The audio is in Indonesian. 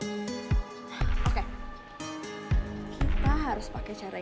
oke kita harus pakai cara ini